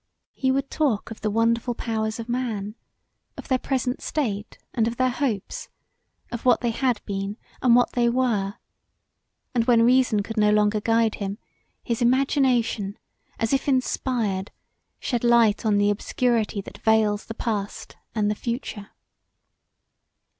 He would talk of the wonderful powers of man, of their present state and of their hopes: of what they had been and what they were, and when reason could no longer guide him, his imagination as if inspired shed light on the obscurity that veils the past and the future.